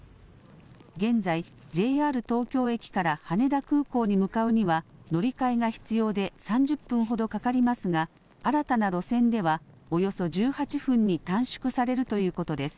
現在、ＪＲ東京駅から羽田空港に向かうには乗り換えが必要で、３０分ほどかかりますが、新たな路線では、およそ１８分に短縮されるということです。